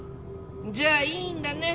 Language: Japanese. じゃあいいんだね。